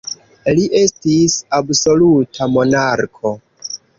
Li estis absoluta monarko.